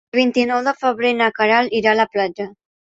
El vint-i-nou de febrer na Queralt irà a la platja.